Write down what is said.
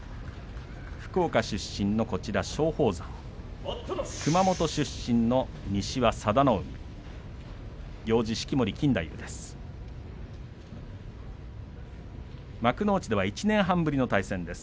福岡出身の松鳳山熊本出身の西、佐田の海行司は式守錦太夫です。